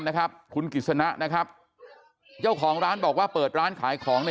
นะครับคุณกิจสนะนะครับเจ้าของร้านบอกว่าเปิดร้านขายของใน